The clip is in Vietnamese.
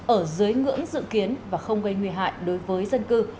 ở dưới ngưỡng dự kiến và không gây nguy hại đối với dân cư